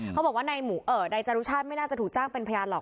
เขาบอกว่านายจรุชาติไม่น่าจะถูกจ้างเป็นพยานหรอก